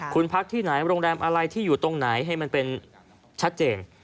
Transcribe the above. คุณพักที่ไหนโรงแรมอะไรที่อยู่ตรงไหนให้มันเป็นชัดเจน